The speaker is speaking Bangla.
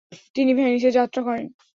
তিনি ভেনিসে যাত্রা করেন।